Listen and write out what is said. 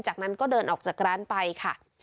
จากนั้นก็เดินออกจากร้านไปค่ะ